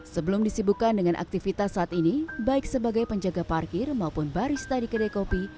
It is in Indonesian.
sebelum disibukan dengan aktivitas saat ini baik sebagai penjaga parkir maupun barista di kedai kopi